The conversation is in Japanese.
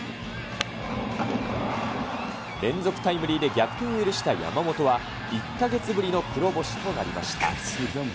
連続タイムリーで逆転を許した山本は１か月ぶりの黒星となりました。